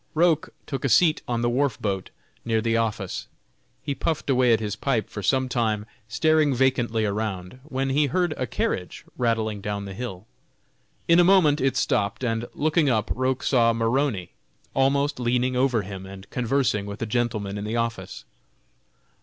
Roch took a seat on the wharf boat, near the office. He puffed away at his pipe for some time, staring vacantly around, when he heard a carriage rattling down the hill. In a moment it stopped, and looking up Roch saw Maroney almost leaning over him and conversing with a gentleman in the office.